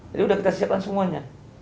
jadi sudah kita siapkan semuanya